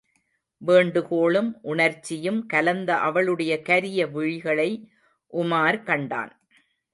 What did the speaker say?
வேண்டுகோளும் உணர்ச்சியும் கலந்த அவளுடைய கரிய விழிகளை உமார் கண்டான்.